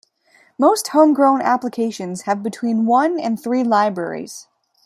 Most homegrown applications have between one and three libraries.